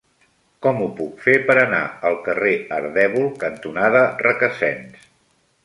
Com ho puc fer per anar al carrer Ardèvol cantonada Requesens?